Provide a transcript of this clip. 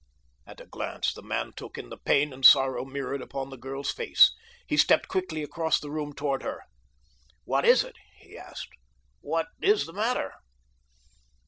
At a glance the man took in the pain and sorrow mirrored upon the girl's face. He stepped quickly across the room toward her. "What is it?" he asked. "What is the matter?"